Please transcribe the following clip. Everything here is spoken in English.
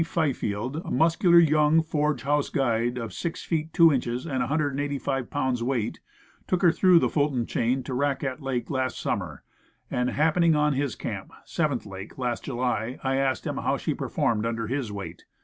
Fifield, a muscular young Forge House guide of 6 feet 2 inches and 185 pounds weight, took her through the Fulton Chain to Raquette Lake last summer; and, happening on his camp, Seventh Lake, last July, I asked him how she performed under his weight.